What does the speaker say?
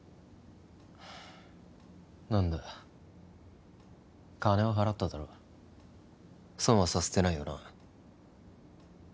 何だ金は払っただろ損はさせてないよな